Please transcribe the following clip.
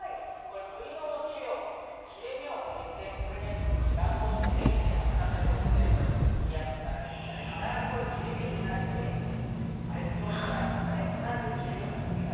栗のおしりに切れ目を入れて、ラップをして電子レンジで温めることでむきやすくなるんですが、必ず切れ目を入れないと破裂する恐れがあるので必ず入れるようにしてください。